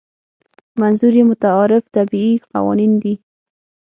منظور یې متعارف طبیعي قوانین دي.